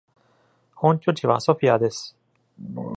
本拠地はソフィアです。